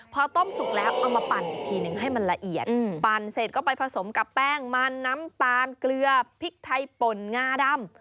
พอต้มสุกแล้วเอามาปั่นอีกทีหนึ่งให้มันละเอียดปั่นเสร็จก็ไปผสมกับแป้งมันน้ำตาลเกลือพริกไทยป่นงาดำ